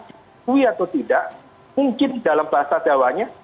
jauh atau tidak mungkin dalam bahasa jawa nya